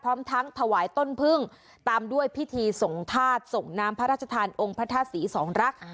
พร้อมทั้งถวายต้นพึ่งตามด้วยพิธีส่งธาตุส่งน้ำพระราชทานองค์พระธาตุศรีสองรัก